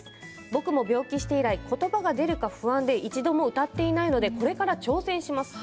僕も病気して以来ことばが出るか不安で一度も歌っていないのでこれから挑戦します。